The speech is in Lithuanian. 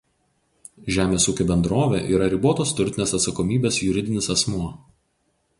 Žemės ūkio bendrovė yra ribotos turtinės atsakomybės juridinis asmuo.